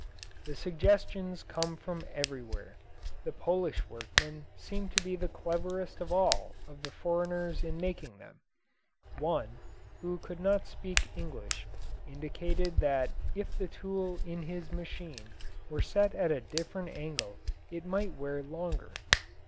The suggestions come from everywhere. The Polish workmen seem to be the cleverest of all of the foreigners in making them. One, who could not speak English, indicated that if the tool in his machine were set at a different angle it might wear longer.